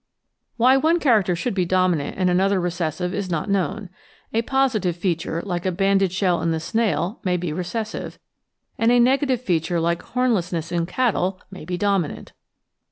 Why one character should be dominant and another recessive is not known ; a positive f eatiure, like a banded shell in the snail, may be recessive; and a negative feature, like homlessness in cattle, may be dominant.